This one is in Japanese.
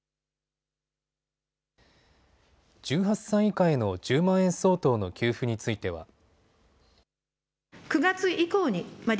１８歳以下への１０万円相当の給付については。